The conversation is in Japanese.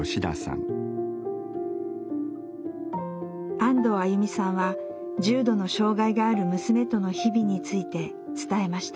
安藤歩さんは重度の障害がある娘との日々について伝えました。